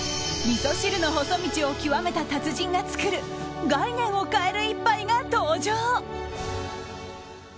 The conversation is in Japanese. みそ汁の細道を極めた達人が作る概念を変える１杯が登場。